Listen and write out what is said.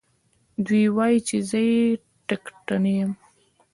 دى وايي چې زه يې ټکټنى يم.